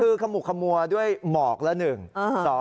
คือขมุกขมัวด้วยหมอกแหละ๑